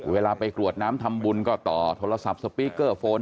เวลาไปกรวดน้ำทำบุญก็ต่อโทรศัพท์สปีกเกอร์โฟน